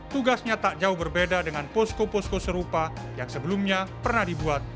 tugasnya tak jauh berbeda dengan posko posko serupa yang sebelumnya pernah dibuat